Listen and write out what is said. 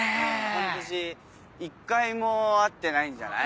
半年１回も会ってないんじゃない？